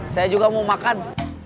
saya juga mau makan